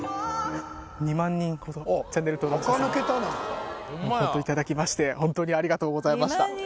２万人ほどチャンネル登録者数ご登録いただきましてホントにありがとうございました